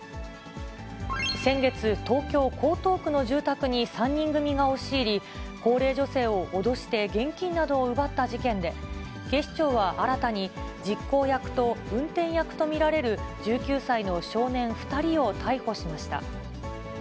先月、東京・江東区の住宅に３人組が押し入り、高齢女性を脅して現金などを奪った事件で、警視庁は新たに、実行役と運転役と見られる１９歳の少年２人を逮捕しました。